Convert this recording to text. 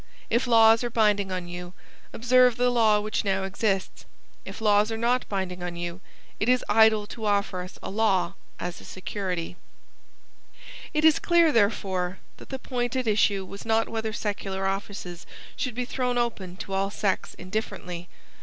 If laws are binding on you, observe the law which now exists. If laws are not binding on you, it is idle to offer us a law as a security. It is clear, therefore, that the point at issue was not whether secular offices should be thrown open to all sects indifferently.